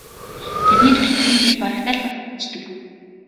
Тэдний төлөвлөсөн зүйл барагтай л бол хэрэгждэггүй.